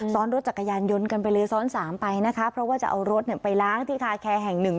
ซ้อนรถจักรยานยนต์กันไปเลยซ้อนสามไปนะคะเพราะว่าจะเอารถเนี่ยไปล้างที่คาแคร์แห่งหนึ่ง